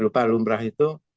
lupa lumrah itu